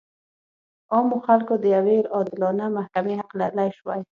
عامو خلکو د یوې عادلانه محکمې حق لرلی شوای.